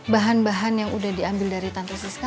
bahan bahan yang udah diambil dari tante siska